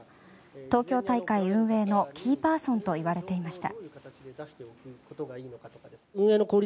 東京大会運営のキーパーソンといわれていました。